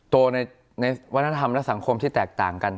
ตัวในวัฒนธรรมและสังคมที่แตกต่างกัน